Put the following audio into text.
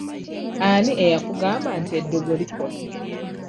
Ani eyakugamba nti eddogo likola?